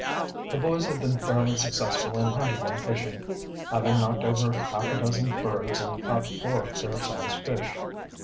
The boys had been fairly successful in hunting and fishing, having knocked over half a dozen birds and caught four fair sized fish.